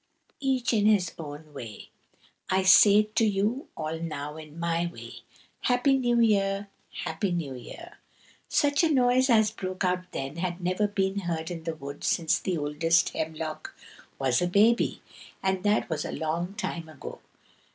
each in his own way! I say it to you all now in my way. Happy New Year! Happy New Year!" Such a noise as broke out then had never been heard in the wood since the oldest hemlock was a baby, and that was a long time ago.